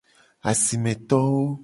Asimetowo.